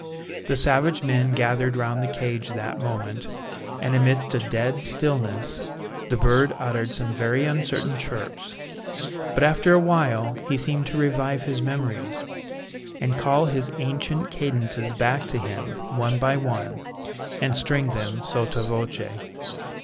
The savage men gathered round the cage that moment, and amidst a dead stillness the bird uttered some very uncertain chirps, but after awhile he seemed to revive his memories, and call his ancient cadences back to him one by one, and string them sotto voce.